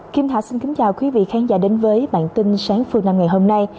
kim thảo xin kính chào quý vị khán giả đến với bản tin sáng phương năm ngày hôm nay